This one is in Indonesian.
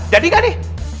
jadi nggak nih